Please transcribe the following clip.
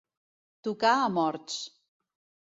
Tocar a morts.